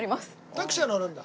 タクシーは乗るんだ。